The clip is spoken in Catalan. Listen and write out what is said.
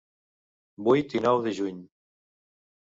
Vuit i nou de juny.